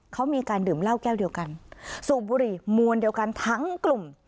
เขามีการดื่มเหล้าแก้วเดียวกันสูบบุหรี่มวลเดียวกันทั้งกลุ่ม